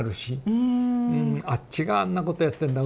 「あっちがあんなことやってんだ。